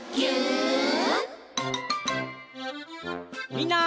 みんな。